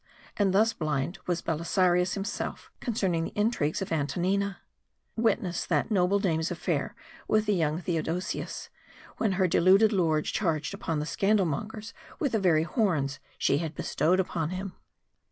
And thus blind was Belisarius himself, concerning the intrigues of Antonina. 140 MARDI. Witness that noble dame's affair with the youth Thoo dosius ; when her deluded lord charged upon the scandal mongers with the very horns she had bestowed upon him.